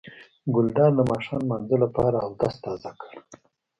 ګلداد د ماښام لمانځه لپاره اودس تازه کړ.